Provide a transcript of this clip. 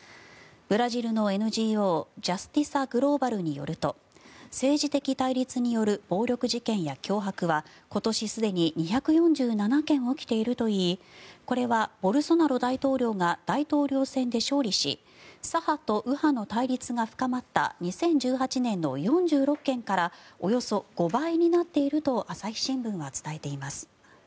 ブラジルのＮＧＯジャスティサ・グローバルによると政治的対立による暴力事件や脅迫は今年すでに２４７件起きているといいこれはボルソナロ大統領が大統領選で勝利し左派と右派の対立が深まった２０１８年の４６件からおよそ５倍になっていると朝日新聞は伝えています。